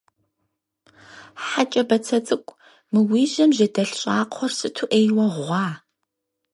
Хьэ кӀэ бацэ цӀыкӀу, мы уи жьэм жьэдэлъ щӀакхъуэр сыту Ӏейуэ гъуа.